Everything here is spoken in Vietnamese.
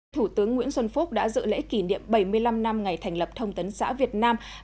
thủ tướng nguyễn xuân phúc đã dự lễ kỷ niệm bảy mươi năm năm ngày thành lập thông tấn xã việt nam